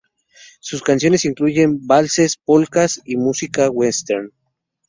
Sus canciones incluyen valses, polkas y música western.